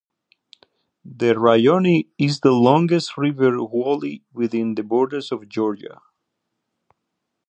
The Rioni is the longest river wholly within the borders of Georgia.